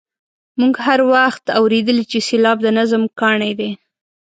موږ هر وخت اورېدلي چې سېلاب د نظم کاڼی دی.